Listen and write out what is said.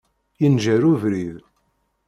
Yenǧer ubrid.